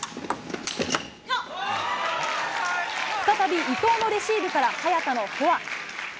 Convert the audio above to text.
再び、伊藤のレシーブから早田のフォア。